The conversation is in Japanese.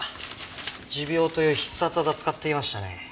持病という必殺技使ってきましたね。